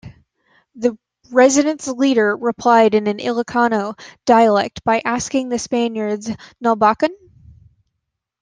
The resident's leader replied in an Ilocano dialect by asking the Spaniards Nalbakan?